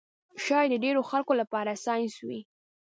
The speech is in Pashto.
شاید د ډېرو خلکو لپاره ساینس وي